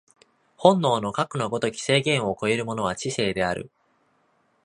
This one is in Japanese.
本能のかくの如き制限を超えるものは知性である。